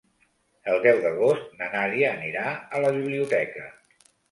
El deu d'agost na Nàdia anirà a la biblioteca.